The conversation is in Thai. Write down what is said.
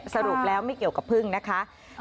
สรุปแล้วไม่เกี่ยวกับพึ่งนะคะ